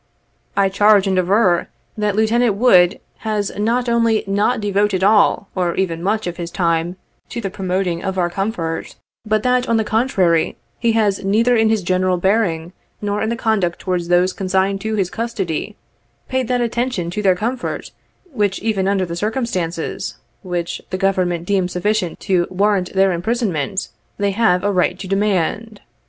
I charge and 41 aver, that Lieutenant Wood has not only not devoted all, or even much of his time, to the promoting of our comfort, but that on the contrary, he has neither in his general bearing, nor in his conduct towards those consigned to his custody, paid that attention to their comfort, which even under the circumstances which the Government deemed sufficient to warrant their imprisonment, they have a right to demand.